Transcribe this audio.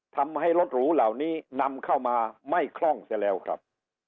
ทำให้รถหรูเหล่านี้นำเข้ามาไม่คล่องซะแล้วครับ